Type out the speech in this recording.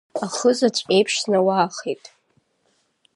Ахызаҵә еиԥш снауаахеит…